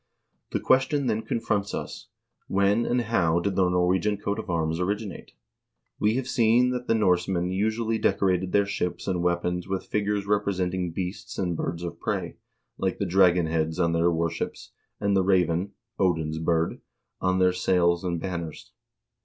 The question then confronts us : When and how did the Norwegian coat of arms originate? We have seen that the Norsemen usually decorated their ships and weapons with figures representing beasts and birds of prey, like the dragon heads on their warships, and the raven (Odin's bird) on their sails and banners.